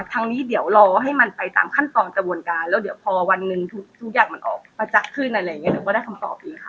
ทางนี้เดี๋ยวรอให้มันไปตามขั้นตอนกระบวนการแล้วเดี๋ยวพอวันหนึ่งทุกอย่างมันออกประจักษ์ขึ้นอะไรอย่างนี้หนูก็ได้คำตอบอีกค่ะ